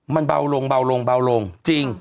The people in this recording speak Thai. มันเบาลงจริง